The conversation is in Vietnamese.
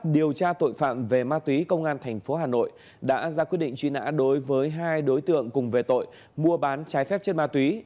điều tra tội phạm về ma túy công an tp hà nội đã ra quyết định truy nã đối với hai đối tượng cùng về tội mua bán trái phép chất ma túy